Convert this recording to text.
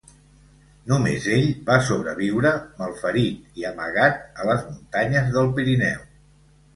Només ell va sobreviure, malferit i amagat a les muntanyes del Pirineu.